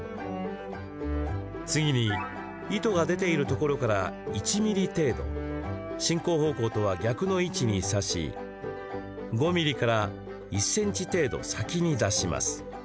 次に、糸が出ているところから１ｍｍ程度進行方向とは逆の位置に刺し５ｍｍから１ｃｍ程度先に出します。